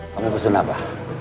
mau pesan apa